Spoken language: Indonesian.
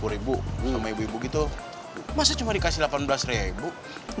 ini sama ibu ibu gitu masa cuma dikasih rp delapan belas